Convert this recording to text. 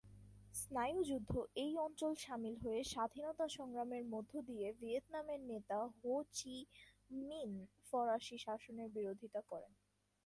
স্নায়ুযুদ্ধ এই অঞ্চল সামিল হয়ে স্বাধীনতা সংগ্রামের মধ্যে দিয়ে ভিয়েতনামের নেতা হো চি মিন ফরাসি শাসনের বিরোধিতা করেন।